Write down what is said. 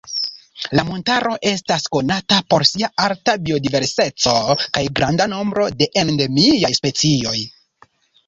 La montaro estas konata por sia alta biodiverseco kaj granda nombro de endemiaj specioj.